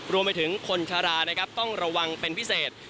รวมไปถึงคนชะลานะครับต้องระวังเป็นพิเศษ